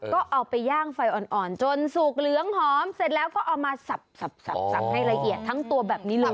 ก็เอาไปย่างไฟอ่อนจนสุกเหลืองหอมเสร็จแล้วก็เอามาสับให้ละเอียดทั้งตัวแบบนี้เลย